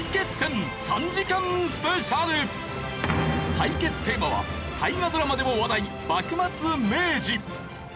対決テーマは大河ドラマでも話題幕末・明治。